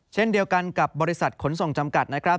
เช่นเดียวกันกับบริษัทขนส่งจำกัดนะครับ